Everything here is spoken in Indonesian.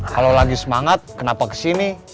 kalau lagi semangat kenapa kesini